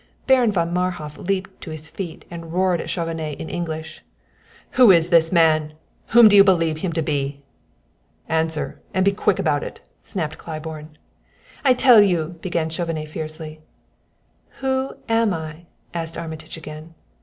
Baron von Marhof leaped to his feet and roared at Chauvenet in English: "Who is this man? Whom do you believe him to be?" "Answer and be quick about it!" snapped Claiborne. "I tell you" began Chauvenet fiercely. "Who am I?" asked Armitage again.